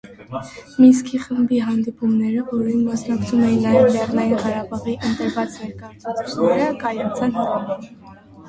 Մինսկի խմբի հանդիպումները, որին մասնակցում էին նաև Լեռնային Ղարաբաղի ընտրված ներկայացուցիչները, կայացան Հռոմում։